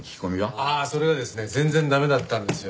ああそれがですね全然駄目だったんですよ。